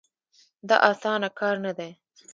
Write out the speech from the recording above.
دا اسانه کار نه دی.